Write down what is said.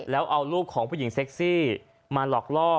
แล้วเอารูปของผู้หญิงเซ็กซี่มาหลอกล่อ